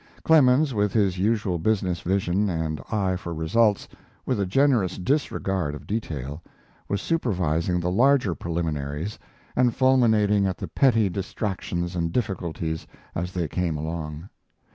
Clemens, with his usual business vision and eye for results, with a generous disregard of detail, was supervising the larger preliminaries, and fulminating at the petty distractions and difficulties as they came along.